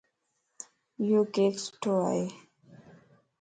ايو ڪيڪ سُٺو ائي.